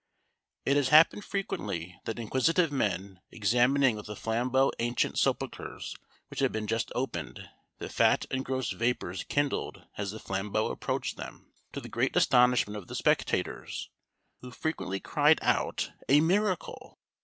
It has happened frequently that inquisitive men examining with a flambeau ancient sepulchres which had been just opened, the fat and gross vapours kindled as the flambeau approached them, to the great astonishment of the spectators, who frequently cried out "_a miracle!